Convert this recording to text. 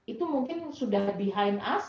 itu mungkin sudah behind us